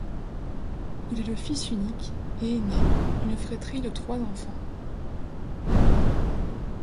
Il est le fils unique et ainé d'une fratrie de trois enfants.